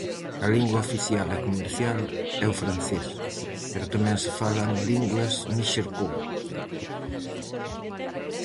A lingua oficial e comercial é o francés, pero tamén se falan linguas níxer-congo.